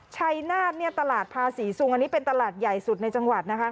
ชัยนาธิ์ตลาดพาศรีสุงอันนี้เป็นตลาดใหญ่สุดในจังหวัด